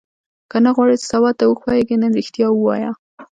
که نه غواړې چې سبا ته وښوېږې نن ریښتیا ووایه.